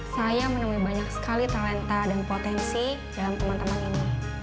saya menemui banyak sekali talenta dan potensi dalam teman teman ini